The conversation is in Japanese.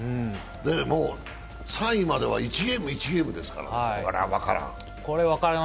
もう３位までは１ゲーム、１ゲームですから、これは分からん。